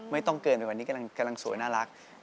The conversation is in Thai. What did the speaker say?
ไม่ต้องเกินไปวันนี้กำลังสวยน่ารัก